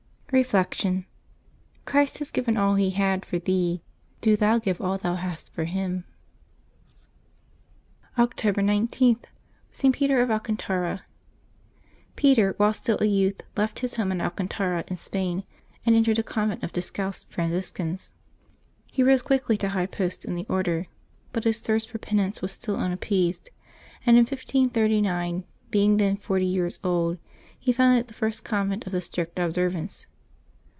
Reflection. — Christ has given all He had for thee; do thou give all thou hast for Him. 340 LIVES OF THE SAINTS [October 20 October 19.— ST. PETER OF ALCANTARA. CETER, while still a youth, left his home at x\lcaiitara in Spain, and entered a convent of Discalced Fran ciscans. He rose quickly to high posts in the Order, but his thirst for penance was still unappeased, and in 1539, being then forty years old, he founded the first convent of the " Strict Observance."